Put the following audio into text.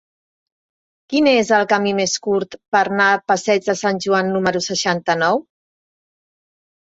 Quin és el camí més curt per anar al passeig de Sant Joan número seixanta-nou?